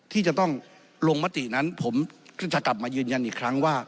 ที่จะต้องลงมตินั้นผมก็จะกลับมายืนยันอีกครั้งว่า